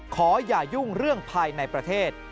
ขออย่ายุ่งเรื่องภายในประเทศ